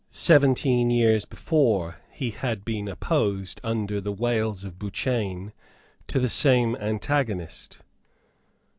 Seventeen years before he had been opposed under the wails of Bouchain to the same antagonist.